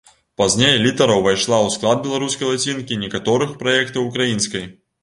Пазней літара ўвайшла ў склад беларускай лацінкі і некаторых праектаў украінскай.